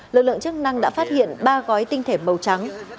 lực lượng chức năng đã phát hiện ba gói tinh thể màu trắng